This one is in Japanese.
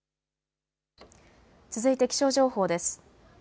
続いて気象情報です。